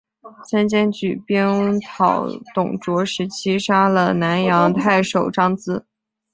孙坚举兵讨董卓时杀了南阳太守张咨。